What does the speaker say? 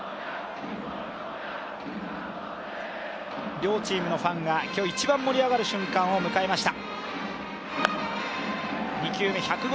両チームのファンが今日一番盛り上がるシーンを迎えました。